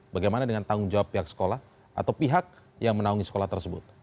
bagaimana dengan tanggung jawab pihak sekolah atau pihak yang menaungi sekolah tersebut